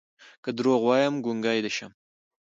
که دروغ وايم ګونګې دې شمه